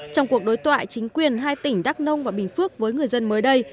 trong cuộc đối thoại chính quyền hai tỉnh đắk nông và bình phước với người dân mới đây